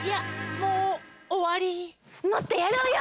もっとやろうよ！